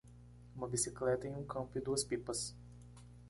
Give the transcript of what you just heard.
Uma bicicleta em um campo e duas pipas